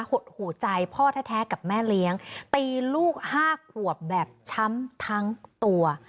หดหูใจพ่อแท้กับแม่เลี้ยงตีลูก๕ขวบแบบช้ำทั้งตัว